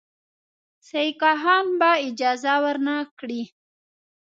سیکهان به اجازه ورنه کړي.